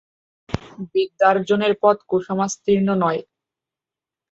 বিদ্যার্জনের পথ কুসামাস্তীর্ণ নয়।